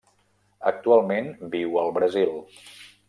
Actualment viu al Brasil.